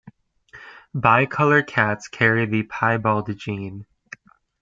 Bicolor cats carry the piebald gene.